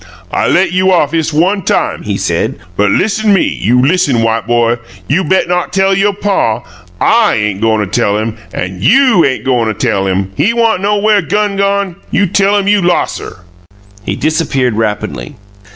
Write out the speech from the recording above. "I let you off 'iss one time," he said, "but listen me you listen, white boy: you bet' not tell you' pa. I ain' goin' tell him, an' YOU ain' goin' tell him. He want know where gun gone, you tell him you los' her." He disappeared rapidly.